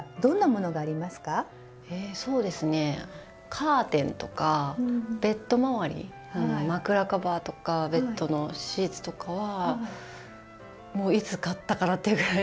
カーテンとかベッド周り枕カバーとかベッドのシーツとかはもういつ買ったかなっていうぐらい長く使っているかな。